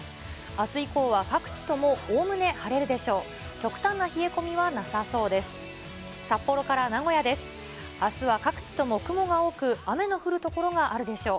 あす以降は、各地ともおおむね晴れるでしょう。